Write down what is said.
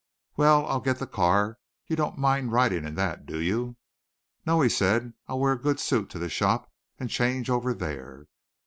"Well, I'll get the car. You don't mind riding in that, do you?" "No," he said. "I'll wear a good suit to the shop and change over there."